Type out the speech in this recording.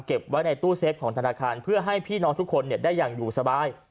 ไว้ในตู้เซฟของธนาคารเพื่อให้พี่น้องทุกคนได้อย่างอยู่สบาย